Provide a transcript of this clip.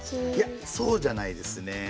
いやそうじゃないですね。